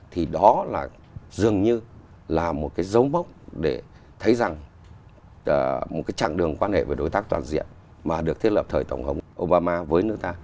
thì đó là dường như là một cái dấu mốc để thấy rằng một cái chặng đường quan hệ với đối tác toàn diện mà được thiết lập thời tổng thống obama với nước ta